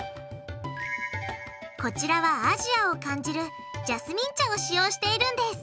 こちらはアジアを感じるジャスミン茶を使用しているんです。